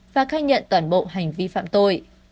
và khai nhận toàn bộ hành vi phạm tội